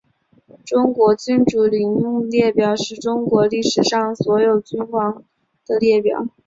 中国君主陵墓列表是中国历史上所有的君主陵墓的列表。